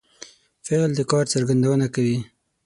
فعل د کار څرګندونه کوي.